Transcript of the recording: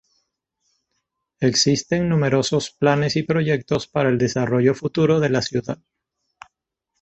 Existen numerosos planes y proyectos para el desarrollo futuro de la ciudad.